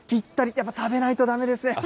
やっぱり食べないとだめですね。